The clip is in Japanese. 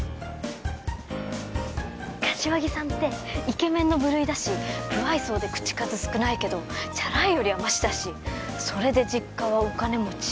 柏木さんってイケメンの部類だし無愛想で口数少ないけどチャラいよりはマシだしそれで実家はお金持ち。